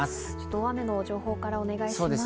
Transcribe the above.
大雨の情報からお願いします。